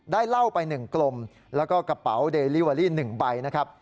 เหล้าไป๑กลมแล้วก็กระเป๋าเดลิเวอรี่๑ใบนะครับ